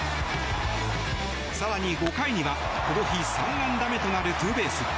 更に５回には、この日３安打目となるツーベース。